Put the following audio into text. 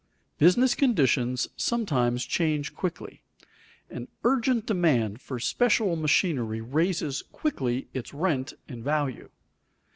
_ Business conditions sometimes change quickly. An urgent demand for special machinery raises quickly its rent and value.